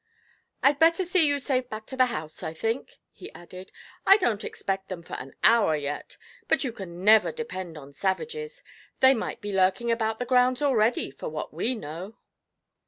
'I'd better see you safe back to the house, I think,' he added; 'I don't expect them for an hour yet, but you can never depend on savages they might be lurking about the grounds already, for what we know.'